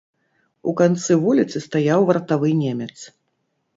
У канцы вуліцы стаяў вартавы немец.